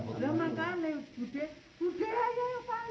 lama kali budi budi ayah yang panggil